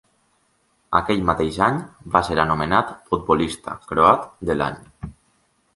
Aquell mateix any, va ser anomenat Futbolista croat de l'any.